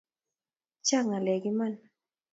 Chang' ng'alek iman